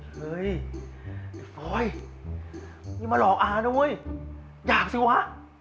เฮ้ยออยนี่มาหลอกอานะเว้ยอยากสิวะ